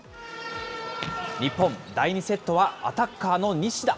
日本、第２セットはアタッカーの西田。